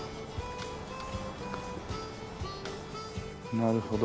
なるほど。